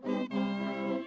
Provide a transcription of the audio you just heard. pertama suara dari biasusu